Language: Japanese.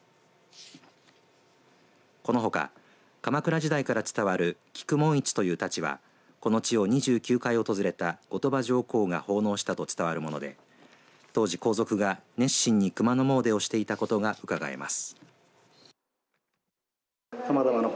このほか鎌倉時代から伝わる菊紋一という太刀はこの地を２９回訪れた後鳥羽上皇が奉納したと伝わるもので当時、皇族が熱心に熊野もうでをしていたことがうかがえます。